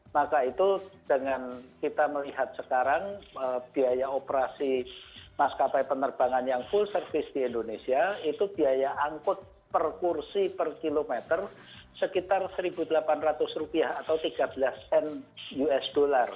maka itu dengan kita melihat sekarang biaya operasi maskapai penerbangan yang full service di indonesia itu biaya angkut per kursi per kilometer sekitar rp satu delapan ratus atau tiga belas n usd